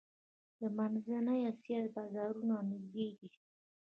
د منځنۍ اسیا بازارونه نږدې دي